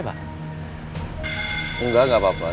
terus gak sengaja liat kamu makanya